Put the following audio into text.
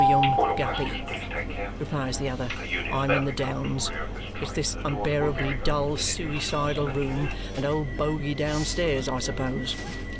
"William Guppy," replies the other, "I am in the downs. It's this unbearably dull, suicidal room and old Boguey downstairs, I suppose."